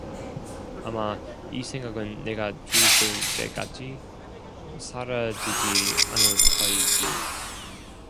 아마 이 생각은 내가 죽을 때까지 사라지지 않을 터이지.